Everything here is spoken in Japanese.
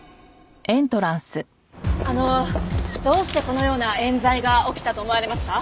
あのどうしてこのような冤罪が起きたと思われますか？